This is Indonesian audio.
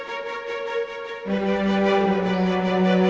kulangnya refilin harus